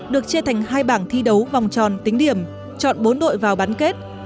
được chia thành hai bảng thi đấu vòng tròn tính điểm chọn bốn đội vào bán kết